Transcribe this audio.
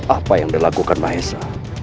apa yang dilakukan mahesa